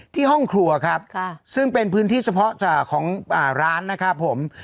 ห้องครัวครับซึ่งเป็นพื้นที่เฉพาะของร้านนะครับผม